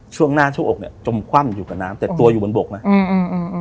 ช่วงหน้าช่วงอกเนี้ยจมคว่ำอยู่กับน้ำแต่ตัวอยู่บนบกนะอืม